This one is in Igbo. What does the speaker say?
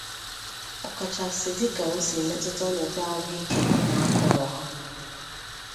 ọkachasị dịka o siri metụta ọnọdụ ahụike na akụrụ ha.